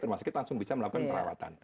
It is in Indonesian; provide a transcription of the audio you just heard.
rumah sakit langsung bisa melakukan perawatan